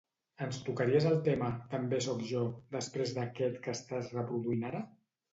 Ens tocaries el tema "També sóc jo" després d'aquest que estàs reproduint ara?